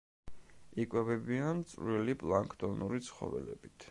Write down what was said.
იკვებებიან წვრილი პლანქტონური ცხოველებით.